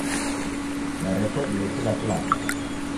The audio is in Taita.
Darekodie kila kilambo.